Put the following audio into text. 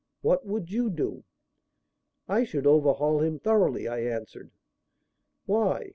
What would you do?" "I should overhaul him thoroughly," I answered. "Why?